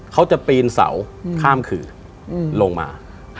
เขาจะปีนเสาข้ามขื่อลงมา